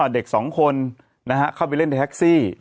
เด็กสองคนเข้าไปเล่นแท็กซี่